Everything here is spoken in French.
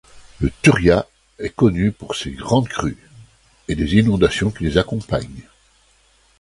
Le Turia est connu pour ses grandes crues, et les inondations qui les accompagnent.